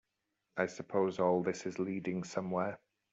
I suppose all this is leading somewhere?